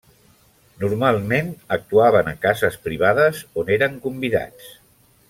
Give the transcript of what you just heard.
Normalment actuaven a cases privades on eren convidats.